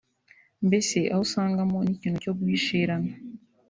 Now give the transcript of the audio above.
mbese aho usangamo n’ikintu cyo guhishirana